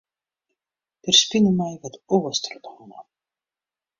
Der spile my wat oars troch de holle.